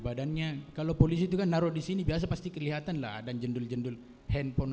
badannya kalau polisi itu kan naruh di sini biasa pasti kelihatan lah dan jendul jendul handphone